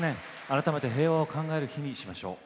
改めて平和を考える日にしましょう。